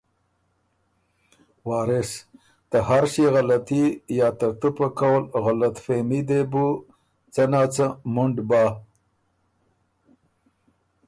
وارث: ته هر ݭيې غلطي یا ترتُو پۀ قول غلطفهمي دې بُو څۀ نا څۀ مُنډ بَۀ۔